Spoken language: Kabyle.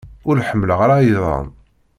Ur ḥemmleɣ ara iḍan.